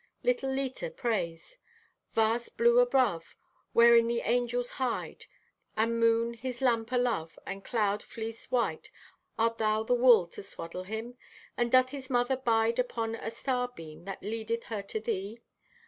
(Little Leta prays) "Vast blue above, wherein the angels hide; and moon, his lamp o' love; and cloud fleece white—art thou the wool to swaddle Him? And doth His mother bide upon a star beam that leadeth her to thee?